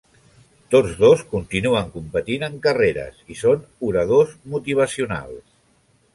Tots dos continuen competint en carreres i són oradors motivacionals.